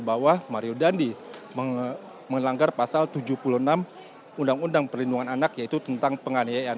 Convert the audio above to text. bahwa mario dandi melanggar pasal tujuh puluh enam undang undang perlindungan anak yaitu tentang penganiayaan